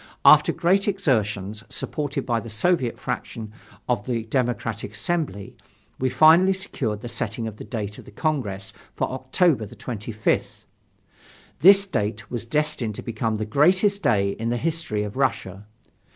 After great exertions, supported by the Soviet fraction of the Democratic Assembly, we finally secured the setting of the date of the Congress for October 25th. This date was destined to become the greatest day in the history of Russia.